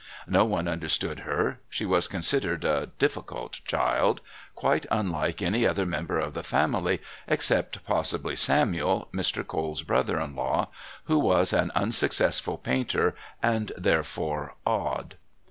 No one understood her; she was considered a "difficult child," quite unlike any other member of the family, except possibly Samuel, Mr. Cole's brother in law, who was an unsuccessful painter and therefore "odd."